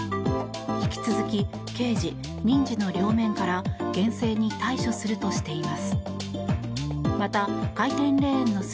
引き続き、刑事・民事の両面から厳正に対処するとしています。